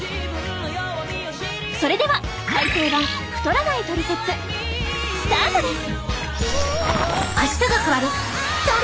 それでは「改訂版太らないトリセツ」スタートです！